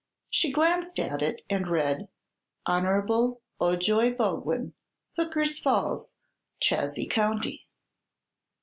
She glanced at it and read: "Hon. Ojoy Boglin, Hooker's Falls, Chazy County."